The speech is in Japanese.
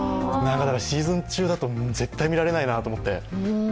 シーズン中だと絶対見られないなと思って。